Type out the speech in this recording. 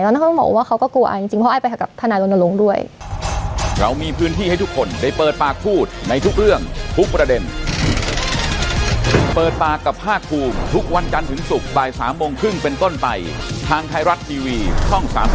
แล้วน้องเขาบอกว่าเขาก็กลัวอายจริงเพราะว่าไอ้ไปกับทนาโรนโลงด้วย